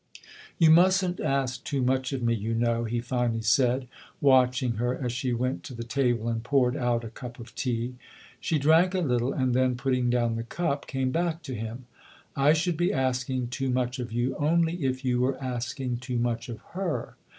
" You mustn't ask too much of me, you know," he finally said, watching her as she went to the table and poured out a cup of tea. She drank a little and then, putting down the cup, came back to him. " I should be asking too much of you only if you were asking too much of her.